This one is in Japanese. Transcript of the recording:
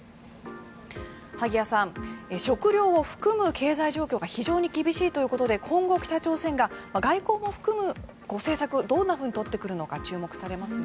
萩谷さん、食糧を含む経済状況が非常に厳しいということで今後、北朝鮮が外交も含む政策をどう取ってくるのか注目されますね。